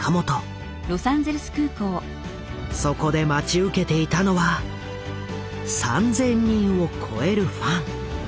そこで待ち受けていたのは３，０００人を超えるファン。